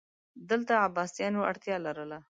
دلته عباسیانو اړتیا لرله